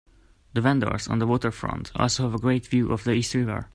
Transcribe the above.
The vendors on the waterfront also have a great view of the East River.